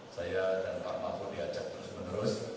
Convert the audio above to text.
saya dan pak mahfud diajak terus menerus